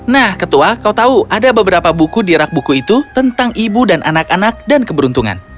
nah ketua kau tahu ada beberapa buku di rak buku itu tentang ibu dan anak anak dan keberuntungan